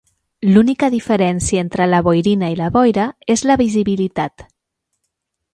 L'única diferència entre la boirina i la boira és la visibilitat.